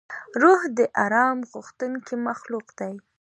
روح د آرام غوښتونکی مخلوق دی.